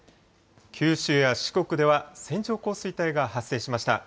九州や四国では線状降水帯が発生しました。